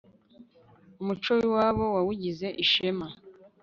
umuco wiwabo yawugize ishema